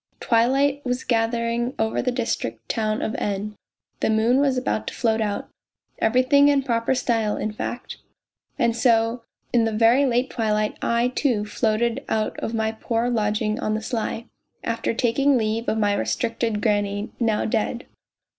Twilight was gathering over the district town of N., the moon was about to float out ... everything in proper style, in fact. And so in the very late twilight I, too, floated out of my poor lodging on the sly after taking leave of my restricted granny, now dead.